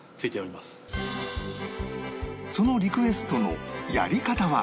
そのリクエストのやり方は